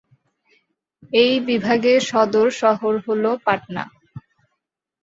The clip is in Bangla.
এই বিভাগের সদর শহর হল পাটনা।